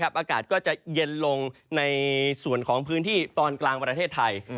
อากาศก็จะเย็นลงในส่วนของพื้นที่ตอนกลางประเทศไทย